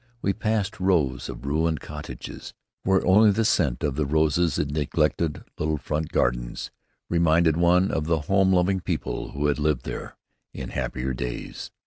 We passed rows of ruined cottages where only the scent of the roses in neglected little front gardens reminded one of the home loving people who had lived there in happier days.